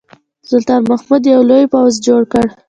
سلطان محمود یو لوی پوځ جوړ کړ.